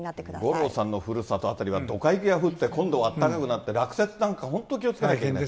五郎さんのふるさと辺りは、ドカ雪が降って、今度は暖かくなって、落雪なんか、本当、気をつけなきゃいけない。